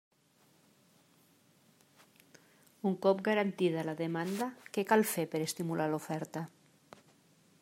Un cop garantida la demanda, què cal fer per estimular l'oferta?